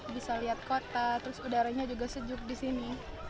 bisa lihat kota terus udaranya juga sejuk di sini